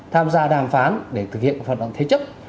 tham gia đàm phán để thực hiện phận động thế chức